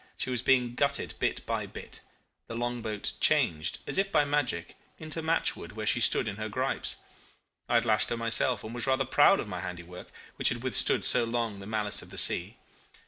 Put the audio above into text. She was being gutted bit by bit. The long boat changed, as if by magic, into matchwood where she stood in her gripes. I had lashed her myself, and was rather proud of my handiwork, which had withstood so long the malice of the sea.